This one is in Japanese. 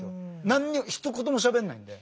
何にもひと言もしゃべんないんで。